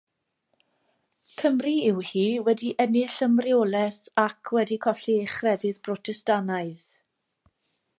Cymru yw hi wedi ennill ymreolaeth ac wedi colli ei chrefydd Brotestannaidd.